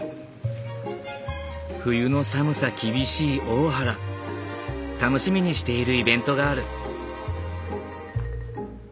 冬の寒さ厳しい大原楽しみにしているイベントがある。